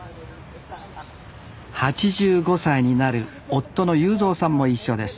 ８５歳になる夫の雄三さんも一緒です